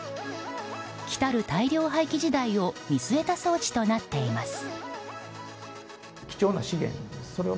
来る大量廃棄時代を見据えた装置となっています。